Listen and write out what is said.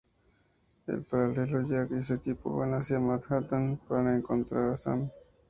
En paralelo, Jack y su equipo van hacia Manhattan para encontrar a Sam.